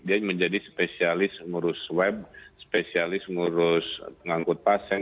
dia menjadi spesialis ngurus web spesialis ngurus pengangkut pasien